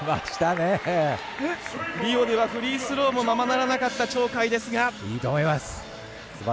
リオではフリースローもままならなかった鳥海ですが。